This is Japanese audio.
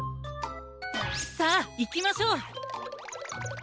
さあいきましょう！